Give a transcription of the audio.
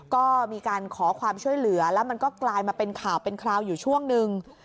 ก็มีการขอความช่วยเหลือแล้วมันก็กลายมาเป็นข่าวเป็นคราวอยู่ช่วงหนึ่ง